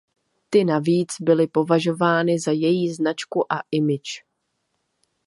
Ty navíc byly považovány za její značku a image.